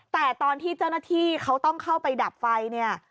แต่ตอนที่เจ้าหน้าที่เขาต้องเข้าไปดับไฟเนี่ย